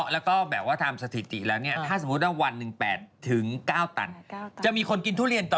แล้วเราเอาไปทำเปมยโยชน์ได้ต่อมันเวิร์กมากจริง